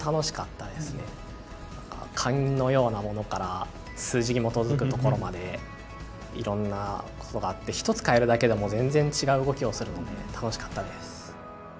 何か勘のようなものから数字に基づくところまでいろんな事があって１つ変えるだけでも全然違う動きをするので楽しかったです。